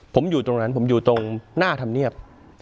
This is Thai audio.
ผมอยู่ตรงนั้นผมอยู่ตรงหน้าธรรมเนียบ